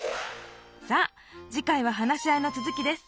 さあ次回は話し合いのつづきです。